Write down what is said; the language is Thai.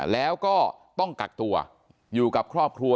แล้วก็ต้องกักตัวอยู่กับครอบครัว